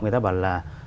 người ta bảo là